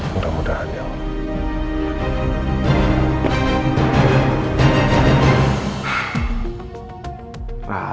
mudah mudahan ya allah